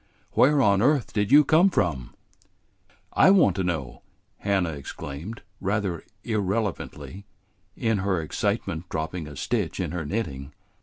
"Where on earth did you come from?" "I want to know!" Hannah exclaimed, rather irrelevantly, in her excitement dropping a stitch in her knitting.